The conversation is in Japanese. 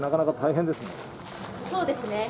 そうですね。